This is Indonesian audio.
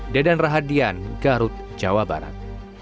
deden rahadian garut jawa barat